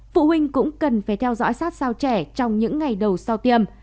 phụ huynh cũng cần phải theo dõi sát sao trẻ trong những ngày đầu sau tiêm